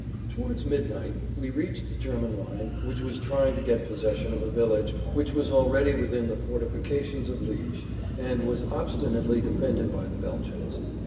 Towards midnight we reached the German line which was trying to get possession of a village which was already within the fortifications of Liège, and was obstinately defended by the Belgians.